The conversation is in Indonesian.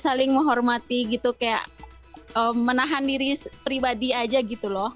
saling menghormati gitu kayak menahan diri pribadi aja gitu loh